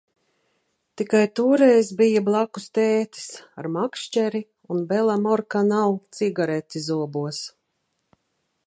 Tikai toreiz bija blakus tētis ar makšķeri un Belamorkanal cigareti zobos.